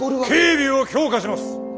警備を強化します！